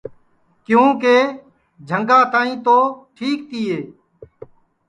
کیونکہ جھنگا تک تو ٹھیک تیے